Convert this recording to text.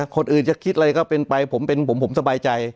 คนอื่นจะคิดอะไรก็เป็นไปผมเป็นผมผมสบายใจ